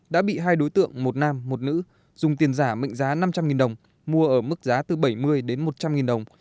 đã bị hai đối tượng một nam một nữ dùng tiền giả mệnh giá năm trăm linh đồng mua ở mức giá từ bảy mươi đến một trăm linh đồng